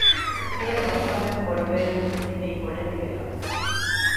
އޭރު ބައްޕަމެން ބޮޑުބޭބެމެން ތިބީ ބޮޑެތި ވެފަ